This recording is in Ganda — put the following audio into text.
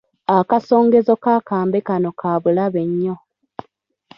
Akasongezo k'akambe kano ka bulabe nnyo.